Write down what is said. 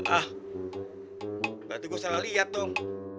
ah berarti gue salah liat tong